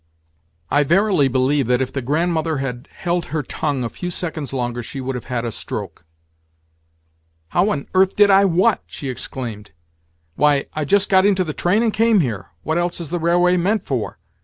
I verily believe that if the Grandmother had held her tongue a few seconds longer she would have had a stroke. "How on earth did I what?" she exclaimed. "Why, I just got into the train and came here. What else is the railway meant for?